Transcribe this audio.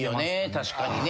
確かにね。